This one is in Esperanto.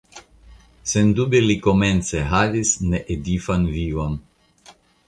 Sendube li komence havis needifan vivon.